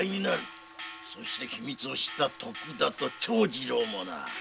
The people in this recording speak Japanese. そして秘密を知った徳田と長次郎もな。